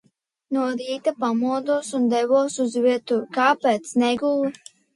No rīta pamodos un devos uz virtuvi. Kāpēc neguli?